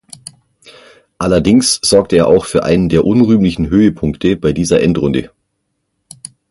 Allerdings sorgte er auch für einen der unrühmlichen Höhepunkte bei dieser Endrunde.